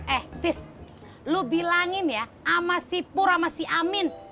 eh tis lu bilangin ya sama si pur sama si amin